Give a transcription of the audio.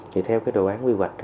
thì theo cái đồ bán quy hoạch